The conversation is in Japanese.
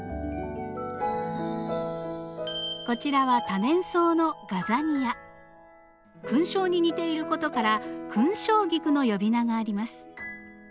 こちらは勲章に似ていることから勲章菊の呼び名があります。